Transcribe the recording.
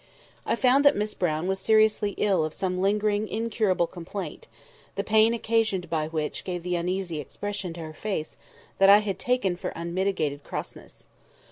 I found that Miss Brown was seriously ill of some lingering, incurable complaint, the pain occasioned by which gave the uneasy expression to her face that I had taken for unmitigated crossness.